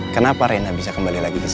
kenapa rena bisa kembali lagi ke rumah